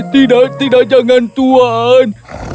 tidak tidak jangan tuhan